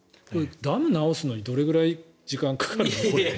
ダムを直すのにどれくらい時間がかかるの？